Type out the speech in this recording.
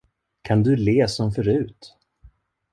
Kan du le som förut?